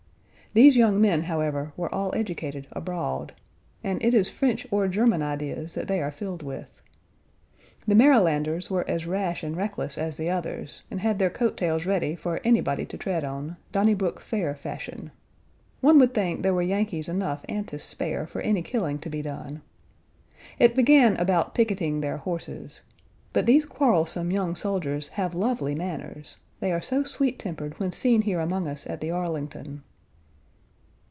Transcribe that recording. These young men, however, were all educated abroad. And it is French or German ideas that they are filled with. The Marylanders were as rash and reckless as the others, and had their coat tails ready for anybody to tread on, Donnybrook Fair fashion. One would think there were Yankees enough and to spare for any killing to be done. It began about picketing their horses. But these quarrelsome young soldiers have lovely manners. They are so sweet tempered when seen here among us at the Arlington.